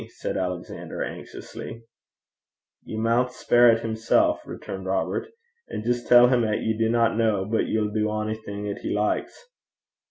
said Alexander anxiously. 'Ye maun speir at himsel',' returned Robert, 'an' jist tell him 'at ye dinna ken, but ye'll do onything 'at he likes.'